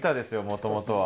もともとは。